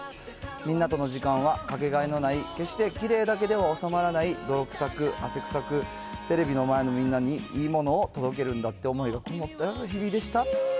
みんなとの時間は掛けがえのない決してきれいだけではない納まらない泥臭さく、汗臭く、テレビの前のみんなにいいものを届けるんだっていう想いがこもったような日々でした。